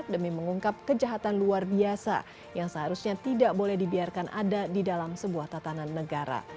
demi mengungkap kejahatan luar biasa yang seharusnya tidak boleh dibiarkan ada di dalam sebuah tatanan negara